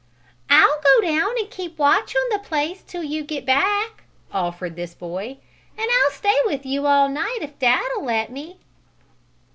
"I'll go down and keep watch on the place 'till you get back," offered this boy. "And I'll stay with you all night, if dad'll let me."